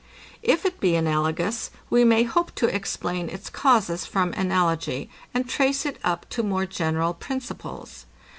If it be analogous, we may hope to explain its causes from analogy, and trace it up to more general principles.